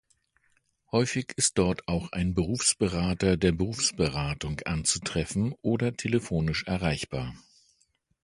Häufig ist dort auch ein Berufsberater der Berufsberatung anzutreffen oder telefonisch erreichbar.